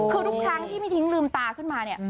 คือทุกครั้งที่ไม่ทิ้งลืมตาขึ้นมาเนี่ย